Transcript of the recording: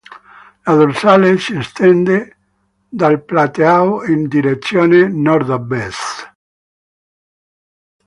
La dorsale si estende dal plateau in direzione nordovest.